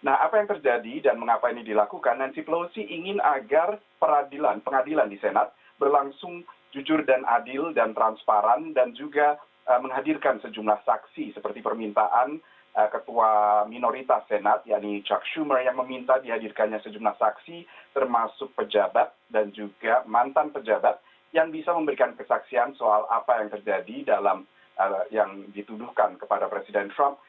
nah apa yang terjadi dan mengapa ini dilakukan nancy pelosi ingin agar pengadilan di senat berlangsung jujur dan adil dan transparan dan juga menghadirkan sejumlah saksi seperti permintaan ketua minoritas senat yakni chuck schumer yang meminta dihadirkannya sejumlah saksi termasuk pejabat dan juga mantan pejabat yang bisa memberikan kesaksian soal apa yang terjadi dalam yang dituduhkan kepada presiden trump